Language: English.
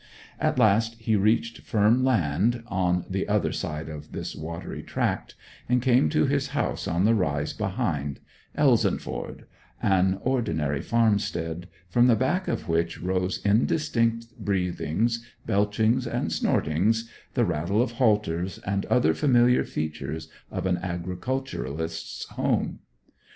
At last he reached firm land on the other side of this watery tract, and came to his house on the rise behind Elsenford an ordinary farmstead, from the back of which rose indistinct breathings, belchings, and snortings, the rattle of halters, and other familiar features of an agriculturist's home.